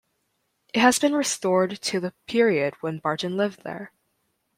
It has been restored to the period when Barton lived there.